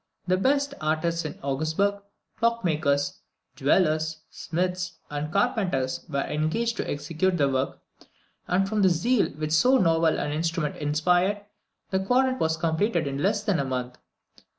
The best artists in Augsburg, clockmakers, jewellers, smiths, and carpenters, were engaged to execute the work, and from the zeal which so novel an instrument inspired, the quadrant was completed in less than a month.